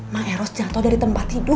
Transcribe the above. maeros jatuh dari tempat tidur